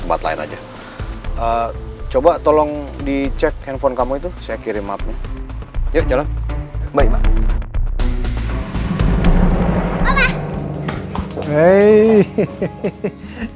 tempat lain aja coba tolong dicek handphone kamu itu saya kirim maafnya ya jalan baik